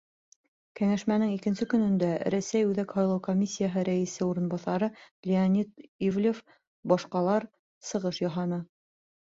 Кәңәшмәнең икенсе көнөндә Рәсәй Үҙәк һайлау комиссияһы рәйесе урынбаҫары Леонид Ивлев, башҡалар сығыш яһаны.